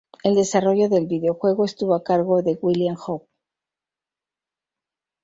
El desarrollo del videojuego estuvo a cargo de William Ho.